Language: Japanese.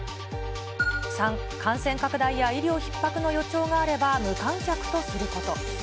３、感染拡大や医療ひっ迫の予兆があれば無観客とすること。